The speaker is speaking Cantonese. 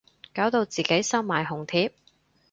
搞到自己收埋紅帖